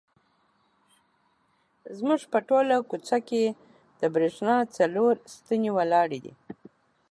زموږ په ټوله کوڅه کې د برېښنا څلور ستنې ولاړې دي.